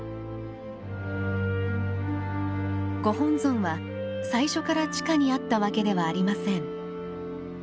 ご本尊は最初から地下にあったわけではありません。